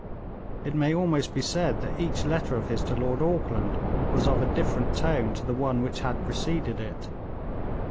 It may almost be said that each letter of his to Lord Auckland was of a different tone from the one which had preceded it.